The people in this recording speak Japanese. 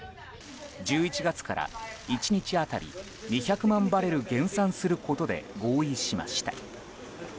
１１月から１日当たり２００万バレル減産をすることで合意しました。